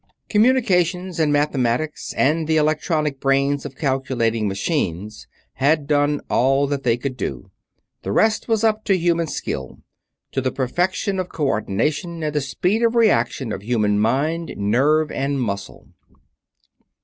Communications and mathematics and the electronic brains of calculating machines had done all that they could do; the rest was up to human skill, to the perfection of co ordination and the speed of reaction of human mind, nerve, and muscle.